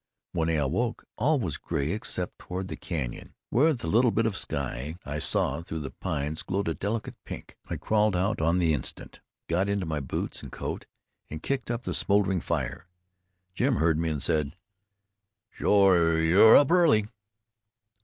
When I awoke all was gray, except toward the canyon, where the little bit of sky I saw through the pines glowed a delicate pink. I crawled out on the instant, got into my boots and coat, and kicked the smoldering fire. Jim heard me, and said: "Shore you're up early."